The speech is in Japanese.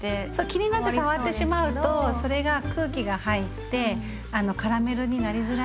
気になって触ってしまうとそれが空気が入ってカラメルになりづらいので触らずに。